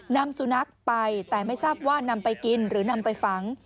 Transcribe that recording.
นำสุนัขไปแต่ไม่ทราบว่านำไปกินหรือนำไปฝัง